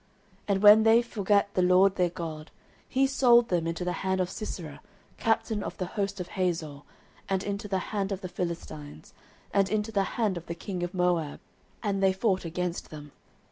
09:012:009 And when they forgat the LORD their God, he sold them into the hand of Sisera, captain of the host of Hazor, and into the hand of the Philistines, and into the hand of the king of Moab, and they fought against them.